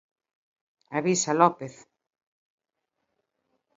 Avisa López.